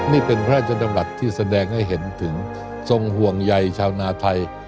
นี่เป็นพระราชดำรัฐที่แสดงให้เห็นถึงทรงห่วงใยชาวนาไทย